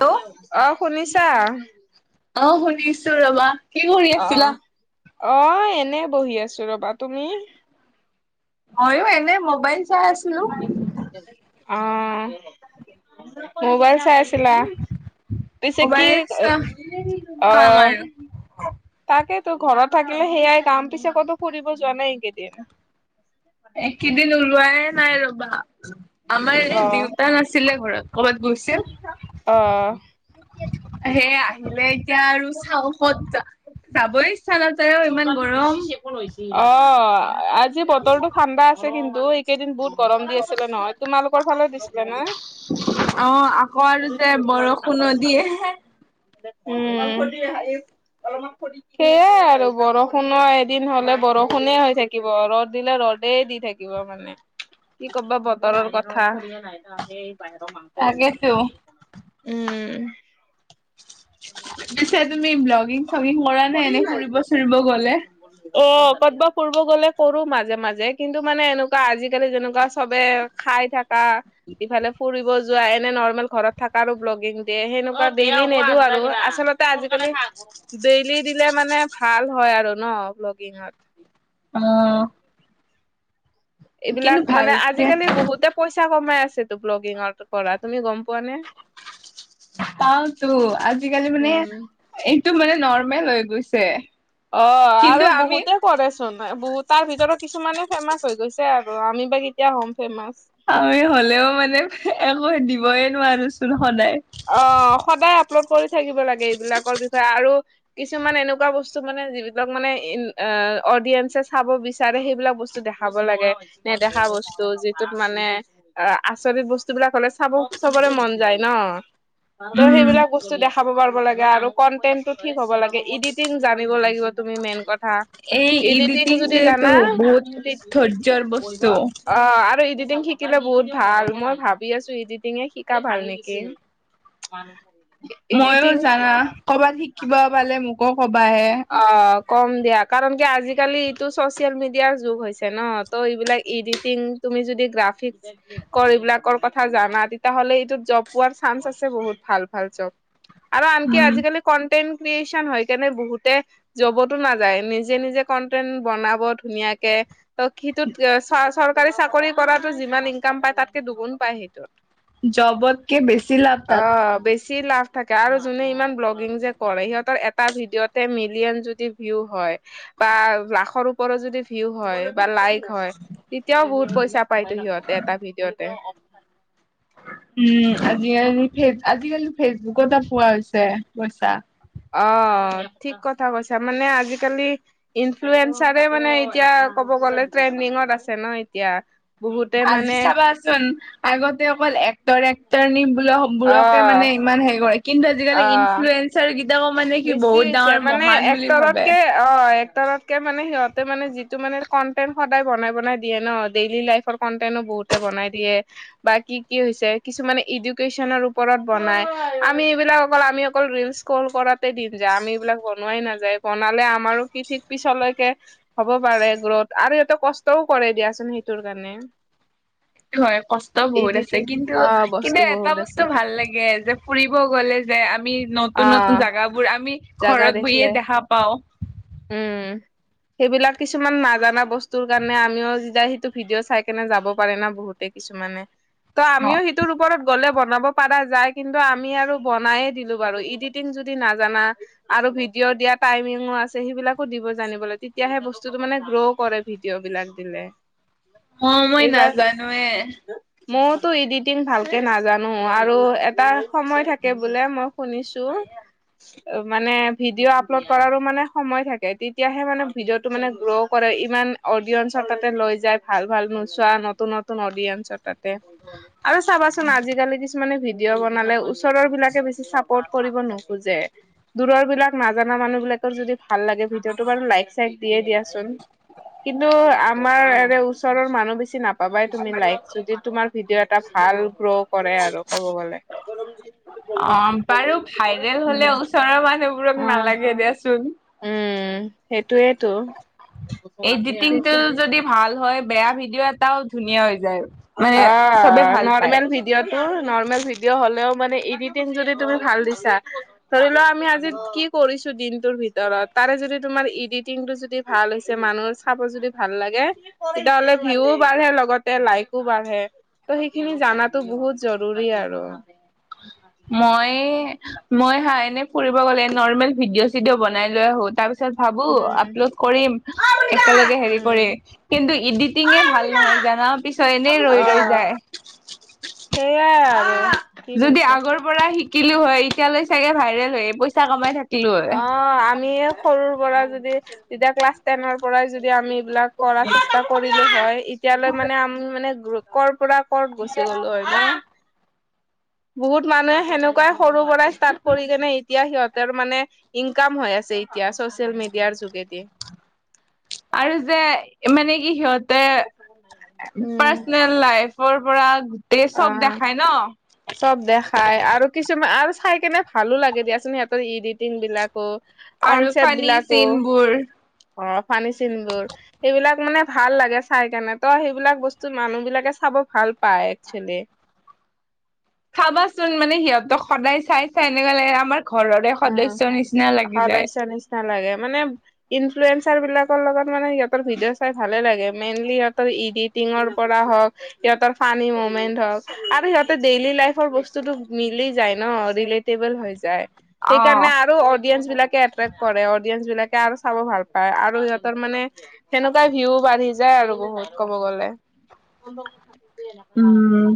Hello অ শুনিছা অ শুনিছো ৰবা কি কৰি অ আছিলা? অ এনে বহি আছো ৰবা তুমি মইয়ো এনে ম'বাইল চাই আছো অ ম'বাইল চাই আছিলা পিছে কি মোবাইল চোৱা অ কাম আৰু তাকে তো ঘৰত থাকিলে সেয়াই কাম পিছে ক'তো ফুৰিব যোৱা নাই এইকেইদিন একেইদিন ওলোৱাই নাই ৰবা আমাৰ অ এই দেউতা নাছিলে ঘৰত ক'বাত গৈছে অ সেই আহিলে এতিয়া আৰু চাওঁ ক'ত চাবই ইচ্ছা নাযাই অ চৌকাটো ভিজি চেপৰ হৈছি অ আজি বতৰটো ঠাণ্ডা আছে কিন্তু কেইদিন বহুত গৰম দি আছিলে ন তোমালোকৰ ফালে দিছিলে নহয় অ আকৌ আৰু যে বৰষুণো দিয়ে উম সেয়াই আৰু বৰষুণো এদিন হলে বৰষুণে হৈ থাকিব ৰ'দ দিলে ৰ'দেই দি থাকিব মানে কি কবা বতৰৰ কথা মানে বাহিৰৰ মাংস তাকেতো আছে উম পিছে তুমি ব্লগিং চগিং কৰা নে এনে ফুৰিব চুৰিব গলে অ ক'তবা ফুৰিব গ'লে কৰো মাজে মাজে কিন্তু মানে এনেকুৱা আজিকালি যেনেকুৱা চবে খাই থাকা ইফালে ফুৰিব যোৱা এনে নৰ্মেল ঘৰত থাকাৰো ব্লগিং দিয়ে সেনেকুৱা দেইলি নিদো আৰু আচলতে ত' আজিকালি ডেইলি দিলে মানে ভাল হয় আৰু ন ব্লগিঙত অ এইবিলাক কিন্তু মানে ভালকে আজিকালি বহুতে পইচা কমাই আছেটো ব্লগিঙৰ পৰা তুমি গম পোৱা নে পাওঁতো আজিকালি মানে এইটো মানে নৰ্মেল হৈ গৈছে অ কিন্তু আৰু আমি বহুতে কৰেচোন বহু তাৰ ভিতৰত কিছুমানে ফেমাচ হৈ গৈছে আৰু আমি বা কেতিয়া হম ফেমাচ আমি হলেও মানে একো দিবই নোৱাৰোচোন সদায় অ সদায় আপলোড কৰি থাকিব লাগে এইবিলাকৰ বিষয়ে আৰু কিছুমান এনেকুৱা বস্তু মানে যিবিলাক মানে অডিয়েঞ্চে চাব বিচাৰে সেইবিলাক বস্তু দেখা খাব লাগে নেদেখা বস্তু যিটোত মানে অ আচৰিত বস্তু বিলাক হলে চাব চবৰে মন যায় ন ত' উম সেইবিলাক বস্তু বস্তু দেখাব পাৰিব লাগে আৰু কন্টেটো ঠিক হ'ব লাগে, ইডিটিং জানিব লাগিব তুমি মেইন কথা। এই ইডিটিং যদি এডিটিংটোতো জানা বহুত ইডি, ধৈৰ্য্যৰ বস্তু অ' আৰু এডিটিং শি শিকিলে বহুত ভাল, মই ভাবি আছোঁ ইডিটিঙে শিকা ভাল নেকি। [unintelligible] মইয়ো ইডিটিং জানা ক'ৰবাত শিকিব পালে মোকো কবাহে। অঁ, কম দিয়া কাৰণ কি আজিকালি এইটো চচিয়েল মিডিয়াৰ যুগ হৈছে ন' ত' এইবিলাক ইডিট তিং তুমি যদি গ্ৰাফিক্ কৰ এইবিলাকৰ কথা জানা তেতিয়া হ'লে এইটোত জব পোৱাৰ চান্স আছে বহুত ভাল ভাল জব। আৰু আনকি উম আজিকালি কণ্টেত ক্ৰিয়েচন হয়কেনে বহুত- তে জবতো নাযায়, নিজে-নিজে কন্টেন বনাব ধুনীয়াকে। ত' সিটোত চ-চৰকাৰী চাকৰি কৰাতো যিমান ইনকাম পায় তাতকে দুগুণ পায় সেইটোত। জবতকে বেছি লাভ তাত অহ' বেছি লাভ- থাকে আৰু যোনে ইমান ব্লগিং যে কৰে সিহঁতৰ এটা ভিডিঅ'তে মিলিয়ন যদি ভিউ হয়- বা লাখৰ ওপৰত যদি ভিউ হয় বা লাইক হয়- তেতিয়াও বহুত পইচা পাইতো সিহঁতে এটা ভিডিঅ'তে। উমঁ, আজিকালি ফেচ আজিকালি ফেচবুকৰ পৰা পোৱা হৈছে পইচা। অঁ, ঠিক কথা কৈছা মানে আজিকালি- ইনফ্লুৱেঞ্চাৰে মানে এতিয়া ক'ব গ'লে ট্ৰেণ্ডিঙত আছে ন' এতিয়া। বহুতে আজি মানে চাবাচোন আগতে অকল এক্টৰ-এক্টৰনি বো অ বোৰকে মানে ইমান হেৰি কৰে। কিন্তু আজিকালি ইন্ঞ্চ অ ইনফ্লুৱেঞ্চাৰ কিতাকো মানে কি বহুত ডাঙৰ মহান বুলি ভাবে। অঁ, এক্টৰতকে মানে সিহঁতে মানে যিটো মানে কণ্টেণ্ট সদায় বনাই বনাই দিয়ে ন' ডেইলি লাইফৰ কণ্টেনো বহুতে বনাই দিয়ে। বা কি কি হৈছে। কিছুমানে এডুকেশ্যনৰ ওপৰত বনাই, আমি এইবিলাক অকল আমি অকল ৰিলচ কল কৰাতে দিন যায়। আমি এইবিলাক বনোৱাই নাযায় বনালে আমাৰো কি ঠিক পিছলৈকে হ'ব পাৰে গ্ৰথ আৰু সিহঁতে কষ্টও কৰে দিয়াচোন সেইটোৰ কাৰণে। এইটো হয়, কষ্ট বহুত আছে এডিটিং কিন্তু অ কিন্তু বস্তু এটা বহুত আছে বস্তু ভাল লাগে যে - ফুৰিব গ'লে যে আমি অ নতুন-নতুন জাগাবোৰ আমি ঘৰত বহিয়ে দেখা পাওঁ। উমঁ। সেইবিলাক কিছুমান নাজানা বস্তুৰ কাৰণে আমিও যেতিয়া সেইটো ভিডিঅ' চাই কেনে যাব পাৰে না বহুতে- কিছুমানে, ত' অ আমিও সিটোৰ ওপৰত গ'লে বনাব পাৰা যায় কিন্তু আমি আৰু বনাই দিলো- বাৰু ইডিটিং যদি নাজানা- আৰু ভিডিঅ' দিয়া টাইমিং আছে সেইবিলাকো দিব জানিব লাগিব। তেতিয়াসে বস্তুটো মানে গ্ৰ' কৰে। ভিডিঅ' বিলাক দিলে। অঁ' মই নাজানোয়ে। মইতো এডিটিং ভালকে নাজানো আৰু এটা সময় থাকে বোলে মই শুনিছো। মানে ভিডিঅ' আপলোড কৰাৰো মানে সময় থাকে, তেতিয়াহে মানে ভিডিঅ'টো মানে গ্ৰ কৰে, ইমান অডিয়েন্ঞ্চৰ তাতে লৈ যায় ভাল ভাল নোচোৱা নতুন-নতুন অডিয়েঞ্চৰ তাতে। [unintelligible] আৰু চাবাচোন আজিকালি কিছুমানে ভিডিঅ' বনালে ওচৰৰ বিলাকে বেছি চা পৰ্ট কৰিব নোখোজে। দূৰৰ বিলাক নাজানা মানুহ বিলাকৰ যদি ভাল লাগে ভিডিঅ'টো বাৰু লাইক চাইক দিয়ে দিয়াচোন। কিন্তু আমাৰ এৰে ওচৰৰ মানুহ বেছি নাপাবাই তুমি লাইক যদি তোমাৰ- ভিডিঅ' এটা ভাল গ্ৰ' কৰে আৰু ক'ব গ'লে। অ বাৰু ভাইৰেল হলে ওচৰৰ মানুহবোৰক অ নালাগে দিয়াচোন। উম সেইটোয়েতো। এডিটিং টো যদি অ' ভাল হয় বেয়া ভিডিঅ' এটা। অ চবে ভাল পায়। নৰ্মেল ভিডিঅ'টো নৰ্মেল ভিডিঅ' হ'লেও মানে এডিটিং যদি তুমি ভাল দিছা ধৰি লোৱা আমি আজি কি কৰিছো দিনটোৰ ভিতৰত তাৰে যদি তোমাৰ এডিটিং টো যদি। ভাল হৈছে মানুহ চাব যদি ভাল লাগে তেতিয়াহ'লে ভিউ। বাঢ়ে লগতে লাইকো বাঢ়ে ত সেইখিনি জানাতো বহুত জৰুৰী আৰু। মই মই হা এনেই ফুৰিব গ'লে নৰ্মেল ভিডি চিডিঅ' বনাই লৈ আহো তাৰ পিছত তাৰ পাছত ভাবো উম উম আপলোড কৰিম একেলগে হেৰি কৰি কিন্তু এডিটিংয়ে ভাল নহয় জানা পিছত এনেই ৰৈ অ' ৰৈ যায়। সেইয়াই আৰু। কি যদি কৈছে আগৰ পৰা শিকিলো হয় এতিয়ালৈ চাগে ভাইৰেল হয় পইচা কমাই থাকিলো হয়। অ আমি সৰু পৰা যদি যেতিয়া ক্লাছ টেনৰ পৰাই যদি। আমি এইবিলাক কৰা চেষ্টা কৰিলো হয় এতিয়ালৈ মানে আমি মানে গ্ৰুপ কৰ' পৰা ক'ত গুচি গ'লো হয় ন। বহুত মানুহে সেনেকুৱাই সৰু পৰাই ষ্টাৰ্ট কৰি কেনে এতিয়া সিহঁতৰ মানে ইনকাম হৈ আছে এতিয়া চচিয়েল মিডিয়াৰ যোগেদি। আৰু যে মানে কি সিহঁতে পাৰ্চনেল। লাইফৰ পৰা গোটেই অ চব দেখাই চব দেখাই ন। আৰু কিছুমান আৰু চাই কেনে ভালো লাগে দিয়াচোন সিহঁতৰ এডিটিং বিলাকো আৰু কনচেপ্ট ফানী বিলাকো চিনবোৰ অ ফানি চিনবোৰ। সেইবিলাক মানে ভাল লাগে চাই কাৰনে ত সেইবিলাক বস্তু মানুহ বিলাকে চাব ভাল পায়। [unintelligible] চাবাচোন মানে সিহঁতক সদায় চাই চাই এনেকুৱা লাগে আমাৰ ঘৰৰে সদস্যৰ নিচিনা লাগি যায়। নালাগে মানে ইনফ্লুৱেঞ্চাৰ বিলাক লগত মানে সিহতৰ ভিডিঅ' চাই ভালে লাগে মেইনলি সিহতৰ ইডিট টিঙৰ পৰা হওক সিহঁতৰ ফানি মমেন্ট হওক আৰু সিহঁতে ডেইলি লাইফৰ বস্তুটো মিলি যায় ন হৈ যায় সেইকাৰণে অ'। আৰু অডিয়েন্স বিলাকে এটা। কৰে অডিয়েঞ্চ বিলাকে আৰু চাব ভাল পায় আৰু সিহঁতৰ মানে সেনেকুৱা ভিউ বাঢ়ি যায় আৰু বহুত ক'ব গলে। উম।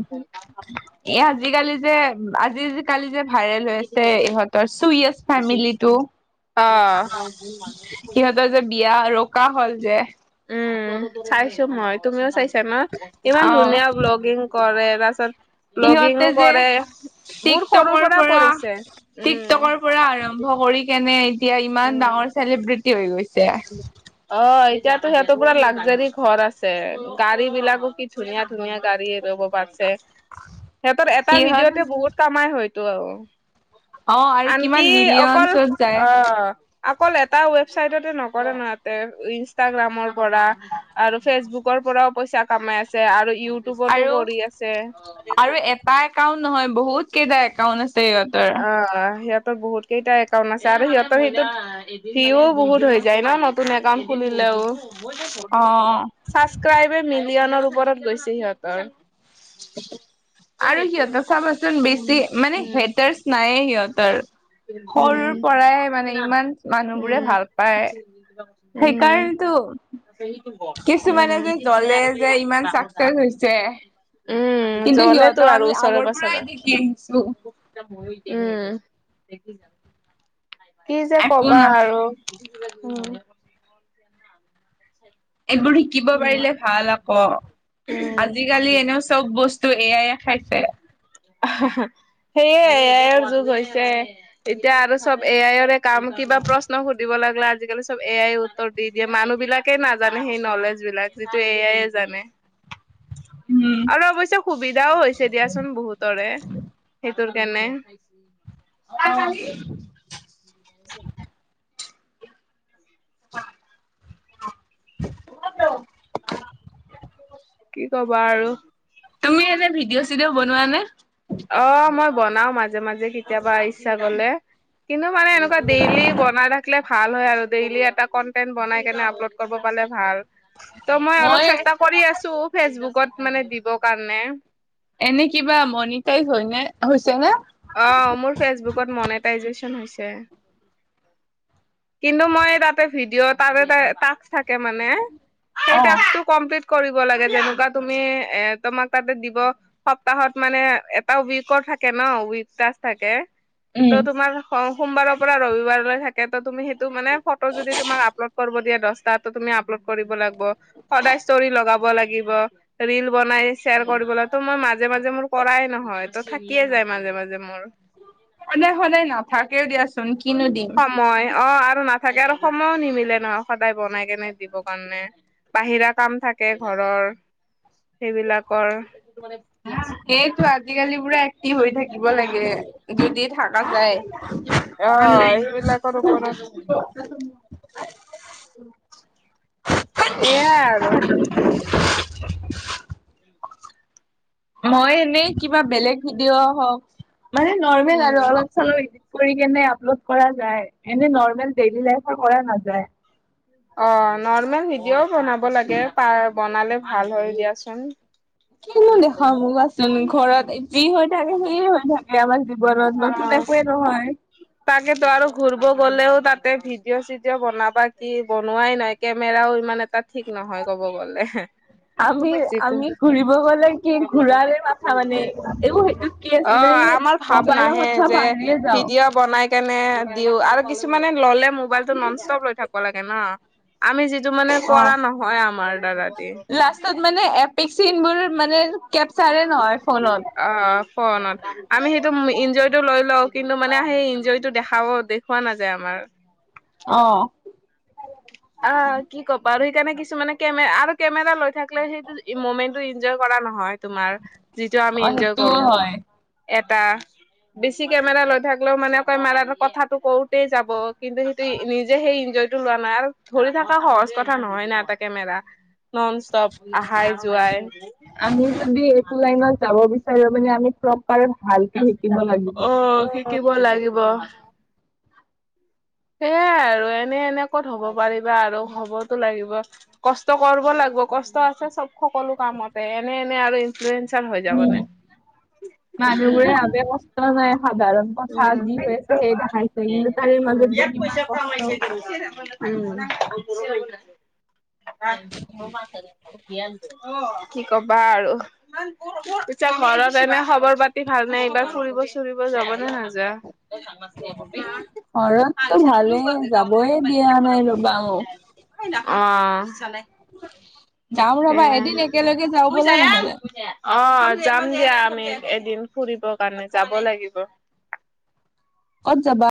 এ আজিকালি যে আজিকালি যে ভাইৰেল হৈ আছে ইহঁতৰ চুয়ছ ফেমিলিটো। অ। সিহঁতৰ যে বিয়া ৰকা হ'ল যে। উম চাইছো মই তুমিও চাইছা ন ইমান অ' ধুনীয়া ব্লগিং কৰে তাৰপাছত সিহঁতে যে। বহুত সৰুৰ টিকটকৰ পৰা কৰিছে উম। টিকটকৰ পৰা আৰম্ভ কৰি কেনে এতিয়া ইমান উম, ডাঙৰ চেলিব্ৰিটি হৈ গৈছে। অ এতিয়াতো সিহঁতৰ পুৰা লাকজাৰী ঘৰ আছে গাড়ী বিলাকো কি ধুনীয়া ধুনীয়া গাড়ীয়ে ৰ'ব পাৰছে। উ [inaudible] সিহঁতৰ এটা ভিডিঅতে বহুত কামাই হয়তো আৰু অ' আৰু কিমান আনকি অকল মিলিয়নছত যায় আহ অকল এটা ৱেবচাইটত, নকৰে নো ইহতে ইনষ্টাগ্ৰামৰ পৰা, আৰু ফেচবুকৰ পৰাও পইচা কামাই আছে আৰু ইউটিব ইউটিউবটো আৰু কৰি আছে। আৰু এটা একাউণ্ট নহয় বহুত কেইটা একাউন্ট আছে সিহঁতৰ, অ সিহঁতৰ বহুত কেইটা একাউণ্ট আছে আৰু সিহঁতৰ সেইটো, ভিউ বহুত হৈ যায় ন নতুন একাউণ্ট খুলিলেও। অ ছাবস্ক্ৰাইবাৰ মিলিয়নৰ ওপৰত গৈছে সিহঁতৰ। আৰু সিহঁত চাবাচোন উম, বেছি মানে উম। হেটাৰ, নায়ে সিহঁত আৰু উম, সৰুৰ পৰাই মানে ইমান মানুহ উম, বোৰে ভাল পায়। [inaudible] সেইকাৰণেটো। সেইটো ক কিছুমানে যে জ্বলে যে ইমান ছাবস্ক্ৰাইব হৈছে, উম, কিন্তু জ্বলেতো সিহঁতৰ আৰু আমি ওচৰে আগৰ পাজৰে। পৰাই দেখি আহিছো। উম, কি যে একো কবা না আৰু উম, এইবোৰে শিকিব উম, পাৰিলে ভাল আকৌ উম। আজিকালি এনেও চব বস্তু এ আই খাইছে। হা হা সেয়ে এ আই ৰ যুগ হৈছে এতিয়া আৰু চব এ আইৰে কাম কিবা প্ৰশ্ন সুধিব লাগিলা আজিকালি চব এ আই দি দিয়ে মানুহ বিলাকে নাজানে সেই নলেজ বিলাক যিটো এ আই জানে। উম আৰু অৱশ্যে সুবিধাও হৈছে দিয়াচোন বহুতৰে সেইটোৰ কাৰণে। অহ [inaudible] [inaudible] কি কবা আৰু। তুমি এনে ভিডিঅ, চিডিঅ বনোৱা নে। অ, মই বনাও মাজে, মাজে কেতিয়াবা ইচ্ছা গলে। কিন্তু মানে এনেকুৱা ডেইলি বনাই থাকিলে ভাল হয় আৰু ডেইলি এটা কনটেন্ট বনাই কিনে আপলোড কৰিব পালে ভাল। ত মই অলপ চেষ্টা কৰি আছো ফেচবুকত মানে দিব কাৰণে। এনে কিবা মনিটাইজ হয়, নে, হৈছে, নে। অ, মোৰ ফেচবুকত মনেটাইজেচন হৈছে। কিন্তু মই তাতে ভিডিঅ তাতে টাস্ক থাকে মানে সেই অ', টাস্কটো কমপ্লিট কৰিব লাগে যেনেকুৱা তুমি এ তোমাক তাতে দিব, সপ্তাহত মানে এটা উইকৰ থাকে ন উইক তাস্ক থাকে ত উম। তোমাৰ সোমবাৰৰ পৰা ৰবিবাৰলৈ থাকে ত তুমি সেই ত মানে ফটো যদি তোমাক আপলোড কৰিব দিয়া দহটাতো তুমি আপলোড কৰিব লাগ সদায় স্তৰী লগাব লাগিব। ৰিল বনাই শ্বেয়াৰ কৰিবলাগে তো মই মাজে মাজে মোৰ কৰাই নহয় ত থাকিয়ে যায় মাজে মাজে। মোৰ, সদাই সদাই নাথাকেও দিয়াচোন কিনো দিম। মই অ, আৰু নাথাকে আৰু সময়ো নিমিলে নহ সদায় বনাই কেনে দিব কাৰ্ণে। বাহিৰা কাম থাকে ঘৰৰ, সেইবিলাকৰ সেয়েটো আজিকালি পুৰা এক্টিভ হৈ থাকিব উম লাগে, যদি থাকা যায়। অ সেইবিলাকৰ ওপৰত অনলাইনত। এয়া আৰু। [inaudible] মই এনেই কিবা বেলেগ ভিডিঅ' হওঁক মানে নৰ্মেল উম আৰু অলপ [unintelligible] কৰি কেনে আপল'ড কৰা যায়, এনে নৰ্মেল ডেইলি লাইফৰ কৰা নাযায়। অ, নৰ্মেল ভিডিঅ'ও বনাব লাগে পাৰ বনালে ভাল হয় দিয়াচোন। কিনো দেখাম কোৱাচোন ঘৰত যি হৈ থাকে, সেইয়ে হৈ থাকে আমাৰ জীৱনত অ নতুন একোৱেই নহয়। তাকেতো আৰু ঘুৰ্ব গ'লেও তাতে ভিডিঅ -চিডিঅ বনাবা কি, বনোৱাই নাই। কেমেৰাও ইমান এটা ঠিক নহয় ক'ব গ'লে। আমি, যিটো আমি ঘুৰিব গলে কি ঘূৰাৰে মাথা মানে এইবোৰ সেইটো অ, আমাৰ ভাৱ নাহে যে পাহৰিয়ে যাওঁ ভিডিঅ বনাই কেনে দিও আৰু কিছুমানে ল'লে মোবাইলটো নন ষ্টপ লৈ থাক্ব লাগে ন। আমি যিটো মানে অ কৰা নহয় আমাৰ দ্বাৰা দি। পিছত মানে এপিক চিন বোৰ মানে কেপচাৰে নহয় ফোনত। অ, ফ'নত। আমি সেইটো ইঞ্জই টো লৈ লওঁ কিন্তু মানে সেই ইঞ্জই টো দেখাব দে খোৱা নাযায় আমাৰ। অ'। অ, কি ক'বা আৰু সেইকাৰণে কিছু মানে কেমে আৰু কেমেৰা লৈ থাক্লে সেইটো মমেন্টটো ইন্জয় কৰা নহয় তোমাৰ যিটো আমি অ ইন্জয় সেইটোও কৰো। হয় এটা বেছি কেমেৰা লৈ থাক্লেও মানে কেমাৰাৰ কথাটো কওঁতেই যাব, কিন্তু সেই ত নিজে সেই ইঞ্জয়টো লোৱা নাই আৰু ধৰি থকা সহজ কথা নহয় না এটা কেমেৰা, নন ষ্টপ আহাই- যোৱাই। আমি যদি এইটো লাইনত যাব বিচাৰো মানে আমি প্ৰপ অ, শিকিব লাগিব। সেয়াই আৰু এনে-এনে ক'ত হ'ব পাৰিবা আৰু হ'বতো লাগিব। কষ্ট কৰ্ব লাগিব, কষ্ট আছে চব সকলো কামতে এনে-এনে আৰু ইনফ্লুয়েঞ্জাৰ হৈ যাব উম নে? মানুহবোৰে উম। [unintelligible] সাধাৰণ কথা উম। যি হৈ আছে সেই দেখাইছে কিন্তু তাৰে মাজত যে কিমান কষ্ট। উম [unintelligible] কি ক'বা আৰু পিছে ঘৰত এনে খবৰ পাতি ভাল নে এইবাৰ ফুৰিব চুৰিব যাব নে নাযা? ঘৰততো ভালেই যাবয়ে দিয়া নাই ৰ'বা মোক। অ। যাম এ, ৰবা এদিন একেলগে যাওঁ শুই যা ব'লা এ নহ'লে [unintelligible] অ যাম দিয়া আমি এদিন ফুৰিব কাৰণে, যাব লাগিব। ক'ত যাবা?